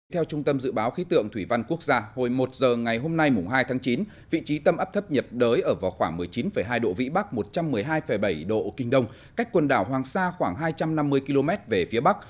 theo trung tâm dự báo khí tượng thủy văn quốc gia hồi một giờ ngày hôm nay hai tháng chín vị trí tâm áp thấp nhiệt đới ở vào khoảng một mươi chín hai độ vĩ bắc một trăm một mươi hai bảy độ kinh đông cách quần đảo hoàng sa khoảng hai trăm năm mươi km về phía bắc